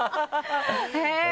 へぇ！